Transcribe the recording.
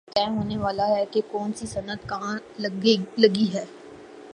ابھی یہ طے ہو نا ہے کہ کون سی صنعت کہاں لگنی ہے۔